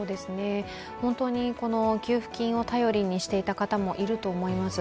本当に給付金を頼りにしていた方もいると思います。